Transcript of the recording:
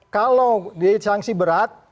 kalau di sanksi berat